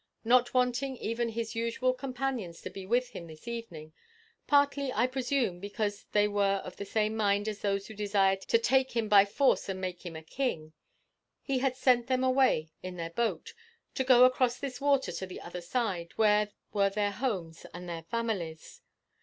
Not wanting even his usual companions to be with him this evening partly, I presume, because they were of the same mind as those who desired to take him by force and make him a king he had sent them away in their boat, to go across this water to the other side, where were their homes and their families.